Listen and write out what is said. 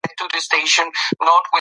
انا وویل چې زما روح ارام ته اړتیا لري.